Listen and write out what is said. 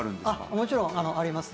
もちろんあります。